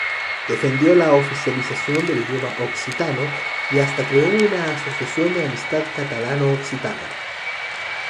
Defendió la oficialización del idioma occitano y hasta creó una asociación de amistad catalano-occitana.